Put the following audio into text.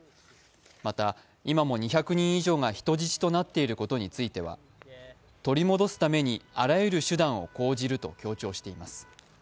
また今も２００人以上が人質となっていることについては取り戻すためにあらゆる手段を講じると強調しています。